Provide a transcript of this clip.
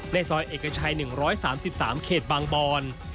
ซอยเอกชัย๑๓๓เขตบางบอน